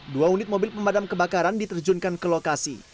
dua unit mobil pemadam kebakaran diterjunkan ke lokasi